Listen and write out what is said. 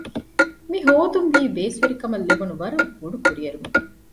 މިހޯދުން ވީ ބޭސްވެރިކަމަށް ލިބުނު ވަރަށް ބޮޑުކުރިއެރުމަކަށް